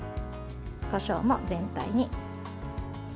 こしょうも全体に。